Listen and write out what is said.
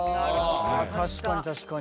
あ確かに確かに。